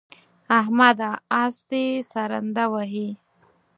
احمده! اس دې سرنده وهي.